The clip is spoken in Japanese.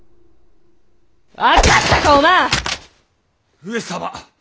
上様